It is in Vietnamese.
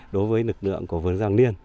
đối với lực lượng của vườn gia hoàng niên